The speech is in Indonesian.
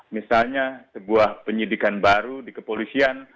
misalnya sebuah penyidikan baru di kepolisian